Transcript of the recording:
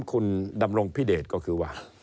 คุณดำรงพิเดชก็คือว่า